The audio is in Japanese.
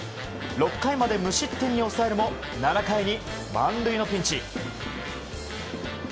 ６回まで無失点に抑えるも７回に満塁のピンチ。